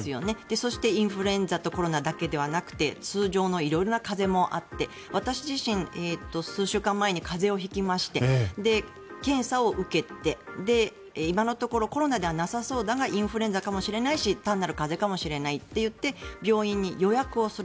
そして、インフルエンザとコロナだけじゃなくて通常の色々な風邪もあって私自身数週間前に風邪を引きまして検査を受けて、今のところコロナではなさそうだがインフルエンザかもしれないし単なる風邪かもしれないといって病院に予約をする。